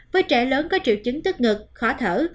với trẻ lớn có triệu chứng tức ngực khó thở